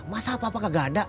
masa papa kagak ada